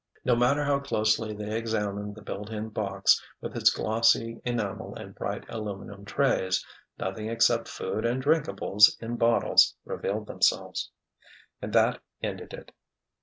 No matter how closely they examined the built in box, with its glossy enamel and bright, aluminum trays, nothing except food and drinkables in bottles revealed themselves. And that ended it!